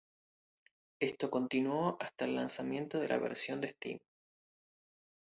Esto continuó hasta el lanzamiento de la versión de Steam.